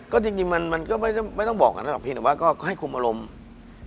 ก็จริงมันก็ไม่ต้องบอกอันนั้นหรอกเพียงแต่ว่าก็ให้คุมอารมณ์